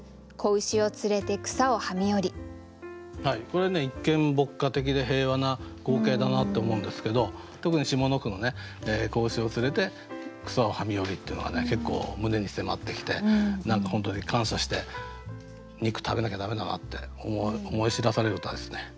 これね一見牧歌的で平和な光景だなって思うんですけど特に下の句の「子牛を連れて草を食みおり」っていうのはね結構胸に迫ってきて何か本当に感謝して肉食べなきゃ駄目だなって思い知らされる歌ですね。